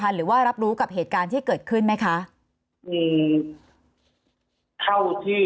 จริงต้องพูดเขาออกแล้วก็ณตอนนี้ณทุกโมงนี้